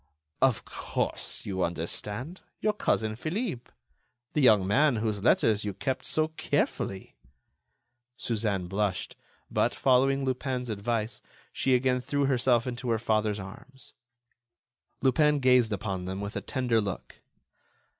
"Of course, you understand. Your cousin Philippe. The young man whose letters you kept so carefully." Suzanne blushed; but, following Lupin's advice, she again threw herself into her father's arms. Lupin gazed upon them with a tender look.